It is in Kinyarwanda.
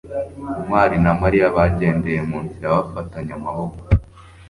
ntwali na mariya bagendeye mu nzira, bafatanye amaboko